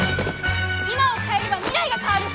今を変えれば未来が変わる！